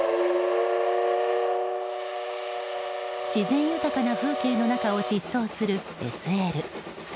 自然豊かな風景の中を疾走するＳＬ。